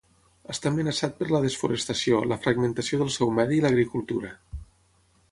Està amenaçat per la desforestació, la fragmentació del seu medi i l'agricultura.